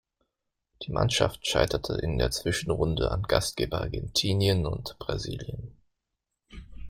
Die Mannschaft scheiterte in der Zwischenrunde an Gastgeber Argentinien und Brasilien.